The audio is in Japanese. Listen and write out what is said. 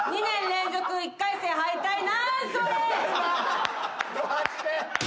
２年連続１回戦敗退。